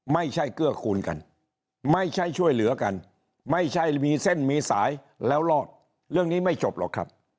เกื้อคูณกันไม่ใช่ช่วยเหลือกันไม่ใช่มีเส้นมีสายแล้วรอดเรื่องนี้ไม่จบหรอกครับ